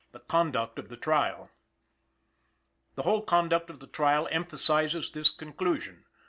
THE CONDUCT OF THE TRIAL. The whole conduct of the trial emphasizes this conclusion.